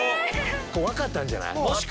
分かったんじゃない？